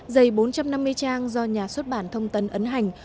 dày bốn trăm năm mươi trang do nhà xuất bản thông tấn ấn hành